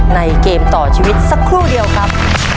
เกมต่อชีวิตสักครู่เดียวครับ